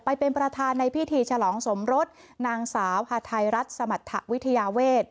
ไปเป็นประธานในพิธีฉลองสมรสนางสาวฮาไทยรัฐสมรรถวิทยาเวท